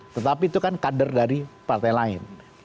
tetapi itu kan kader dari partai lain